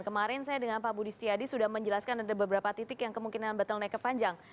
kemarin saya dengan pak budi setiadi sudah menjelaskan ada beberapa titik yang kemungkinan bottlenecknya panjang